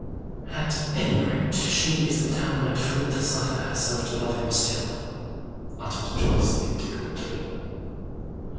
"At any rate, she is a downright fool to suffer herself to love him still!" uttered Joyce, indignantly.